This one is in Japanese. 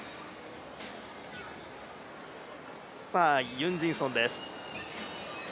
ユン・ジンソンです。